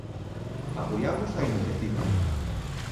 Apoiamos a iniciativa.